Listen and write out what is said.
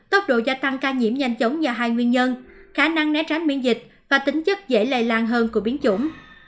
theo who tốc độ gia tăng ca nhiễm nhanh chóng do hai nguyên nhân khả năng né tránh miễn dịch và tính chất dễ lây lan hơn của biến chủng